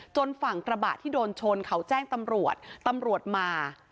ฝั่งกระบะที่โดนชนเขาแจ้งตำรวจตำรวจมา